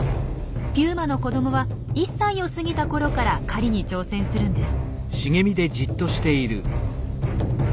ピューマの子どもは１歳を過ぎたころから狩りに挑戦するんです。